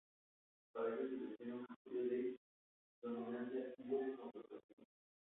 Para ello se define un criterio de dominancia entre configuraciones.